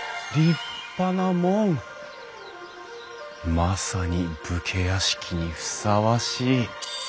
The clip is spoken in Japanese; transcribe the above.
まさに武家屋敷にふさわしい。